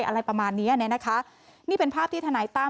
อะไรประมาณเนี้ยเนี้ยนะคะนี่เป็นภาพที่ทนายตั้ม